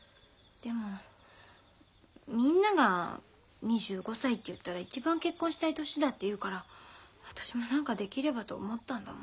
でもみんなが２５歳っていったら一番結婚したい年だって言うから私も何かできればと思ったんだもん。